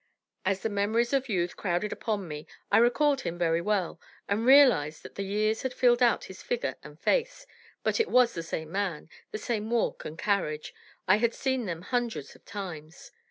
As the memories of youth crowded upon me I recalled him well, and realized that the years had filled out his figure and face; but it was the same man, the same walk and carriage I had seen them hundreds of times.